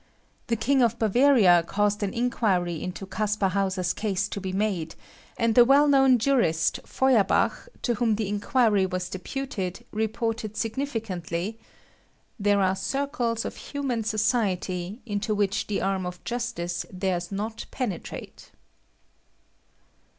The King of Bavaria caused an inquiry into Caspar Hauser's case to be made, and the well known jurist, Feuerbach, to whom the inquiry was deputed, reported significantly, "_There are circles of human society into which the arm of justice dares not penetrate.